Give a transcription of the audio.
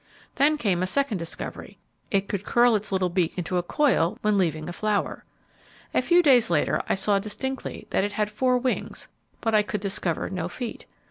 Then came a second discovery: it could curl its beak in a little coil when leaving a flower. A few days later I saw distinctly that it had four wings but I could discover no feet.